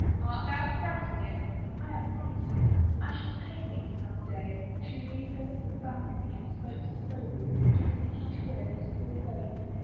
"Art thou threatening?" " I am promising. I shall pay thee some day." She leaned over the balcony and spoke slowly, giving each word its full weight.